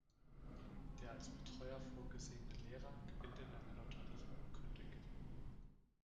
Der als Betreuer vorgesehene Lehrer gewinnt in einer Lotterie und kündigt.